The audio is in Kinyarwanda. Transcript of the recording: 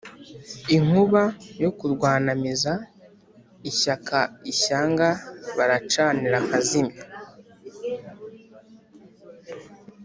inkuba yo kurwanamiza, ishyaka ishyanga baracanira nkazimya.